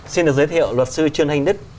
xin được giới thiệu luật sư trương thanh đức